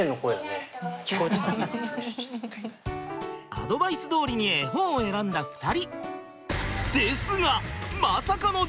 アドバイスどおりに絵本を選んだ２人。